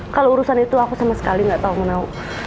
kalau urusan itu aku sama sekali gak tau kenau